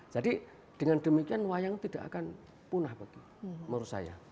jadi dengan demikian wayang tidak akan punah menurut saya